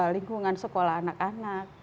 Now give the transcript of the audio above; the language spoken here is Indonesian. lingkungan sekolah anak anak